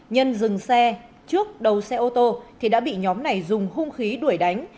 nhân dừng xe trước đầu xe ô tô thì đã bị nhóm này dùng hung khí đuổi đánh